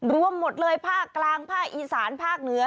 รวมหมดเลยภาคกลางภาคอีสานภาคเหนือ